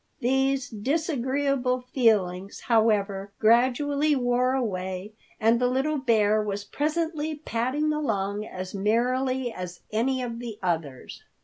These disagreeable feelings, however, gradually wore away, and the little bear was presently padding along as merrily as any of the others.